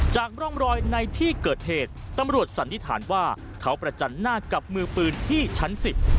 จากร่องรอยในที่เกิดเหตุตำรวจสันนิษฐานว่าเขาประจันหน้ากับมือปืนที่ชั้นสิบ